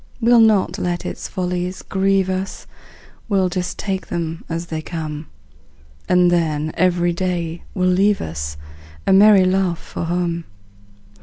We'll not let its follies grieve us, We'll just take them as they come; And then every day will leave us A merry laugh for home.